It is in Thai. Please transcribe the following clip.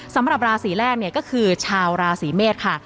สำหรับราศีแรกเนี่ยก็คือชาวราศีเมษค่ะ